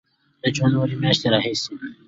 د جنورۍ میاشتې راهیسې